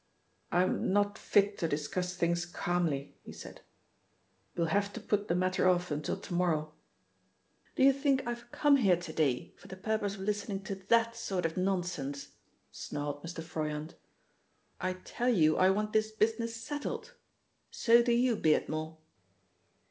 "I'm not fit to discuss things calmly," he said. "You'll have to put the matter off until to morrow." "Do you think I've come here to day for the purpose of listening to that sort of nonsense?" snarled Mr. Froyant. "I tell you I want this business settled. So do you, Beardmore."